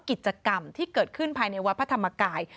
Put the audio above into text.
กิจกรรมที่เกิดขึ้นภายในวัดพระธรรมกาย